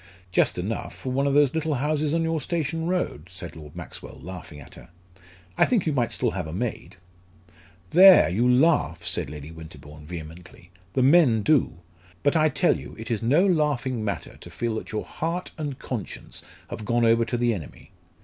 "Just enough, for one of those little houses on your station road," said Lord Maxwell, laughing at her. "I think you might still have a maid." "There, you laugh," said Lady Winterbourne, vehemently: "the men do. But I tell you it is no laughing matter to feel that your heart and conscience have gone over to the enemy.